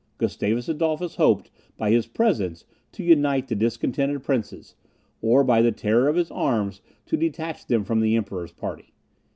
Gustavus Adolphus hoped, by his presence, to unite the discontented princes, or by the terror of his arms to detach them from the Emperor's party.